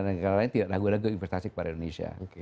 sehingga negara negara lain tidak ragu ragu investasi ke indonesia